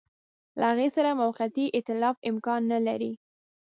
له هغه سره موقتي ایتلاف امکان نه لري.